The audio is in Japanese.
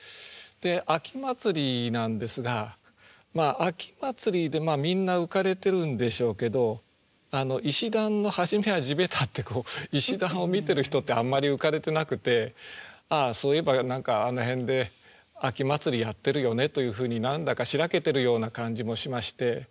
で「秋祭」なんですが秋祭りでみんな浮かれてるんでしょうけど「石段のはじめは地べた」ってこう石段を見てる人ってあんまり浮かれてなくて「ああそういえば何かあの辺で秋祭りやってるよね」というふうに何だかしらけてるような感じもしまして。